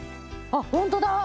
あっホントだ。